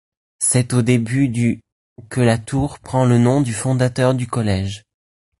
C'est au début du que la tour prend le nom du fondateur du collège.